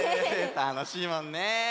たのしいもんね！